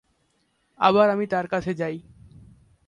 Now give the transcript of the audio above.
আবার আমি তার কাছে যাই।